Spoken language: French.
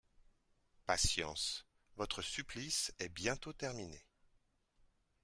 Patience, votre supplice est bientôt terminé